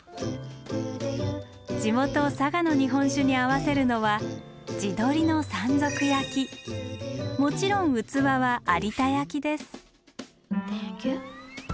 地元佐賀の日本酒に合わせるのはもちろん器は有田焼です。